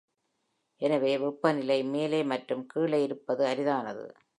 எனவே, வெப்பநிலை மேலே மற்றும் கீழே இருப்பது அரிதானது.